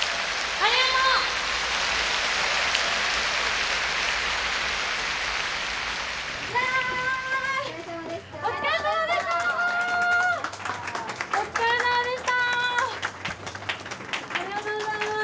ありがとうございます。